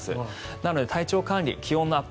なので体調管理気温のアップ